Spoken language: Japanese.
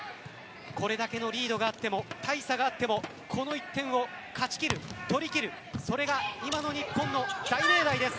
これだけのリードがあっても大差があってもこの１点を勝ち切る、取り切るそれが今の日本の大命題です。